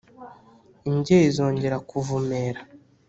imbyeyi zongera kuvumera.